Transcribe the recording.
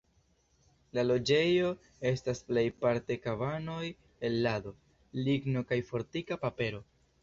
La loĝejoj estas plejparte kabanoj el lado, ligno kaj fortika papero.